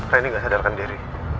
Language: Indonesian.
renny nggak sadarkan diri